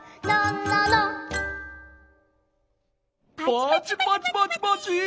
パチパチパチパチ。